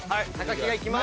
木がいきます。